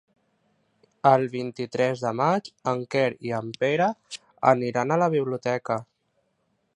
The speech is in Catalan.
El vint-i-tres de maig en Quer i en Pere aniran a la biblioteca.